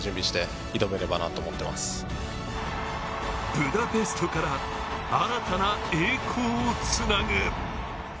ブダペストから新たな栄光をつなぐ！